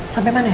sampai mana ya